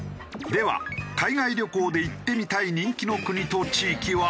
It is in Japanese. では海外旅行で行ってみたい人気の国と地域は？